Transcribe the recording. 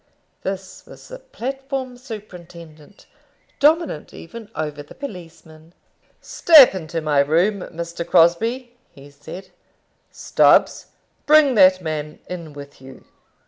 This was the platform superintendent, dominant even over the policemen. "Step into my room, Mr. Crosbie," he said. "Stubbs, bring that man in with you."